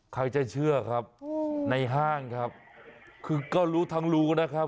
ใครจะเชื่อครับในห้างครับคือก็รู้ทั้งรู้นะครับ